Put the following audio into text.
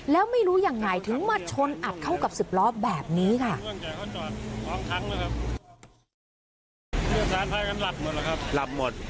แล้วไม่รู้ยังไงถึงมาชนอัดเข้ากับ๑๐ล้อแบบนี้ค่ะ